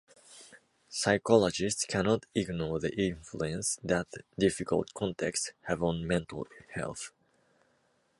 Psychologists cannot ignore the influence that difficult contexts have on mental health.